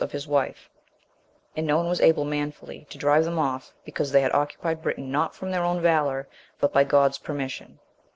Of his wife, and no one was able manfully to drive them off because they had occupied Britain not from their own valour, but by God's permission.